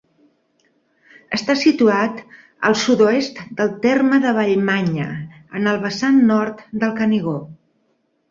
Està situat al sud-oest del terme de Vallmanya, en el vessant nord del Canigó.